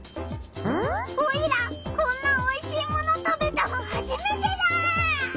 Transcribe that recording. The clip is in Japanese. オイラこんなおいしいもの食べたのはじめてだ！